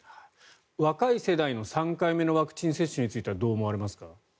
若い世代の３回目のワクチン接種についてはどう思われますか。